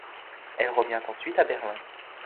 Elle revient ensuite à Berlin.